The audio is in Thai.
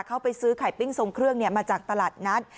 เขาไปซื้อไข่ปิ้งทรงเครื่องมาจากตลาดนัด